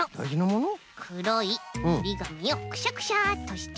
くろいおりがみをクシャクシャっとして。